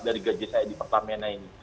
dari gaji saya di pertamina ini